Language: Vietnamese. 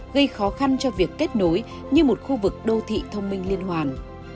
gây khó khăn cho việc kết nối như một khu vực đô thị thông minh liên hoàn